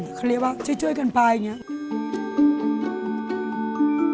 คือเขาเรียกว่ามันเยอะมาก